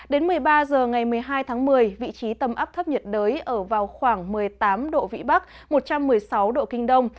đến một mươi ba h ngày một mươi hai tháng một mươi vị trí tâm áp thấp nhiệt đới ở vào khoảng một mươi tám độ vĩ bắc một trăm một mươi sáu độ kinh đông